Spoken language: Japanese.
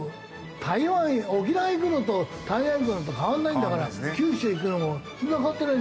台湾沖縄行くのと台湾行くのと変わんないんだから九州行くのもそんな変わってないんだから。